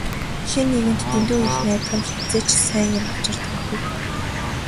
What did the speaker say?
Хэн нэгэнд дэндүү их найдах нь хэзээ ч сайн юм авчирдаггүй.